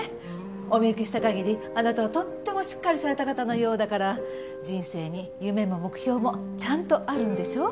お見受けした限りあなたはとってもしっかりされた方のようだから人生に夢も目標もちゃんとあるんでしょう。